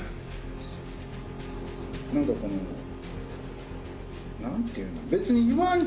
何かこの何て言うの？